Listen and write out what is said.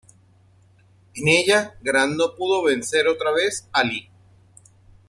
En ella Grant no pudo vencer otra vez a Lee.